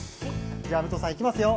じゃあ武藤さん行きますよ。